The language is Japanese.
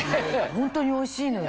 ホントにおいしいのよ。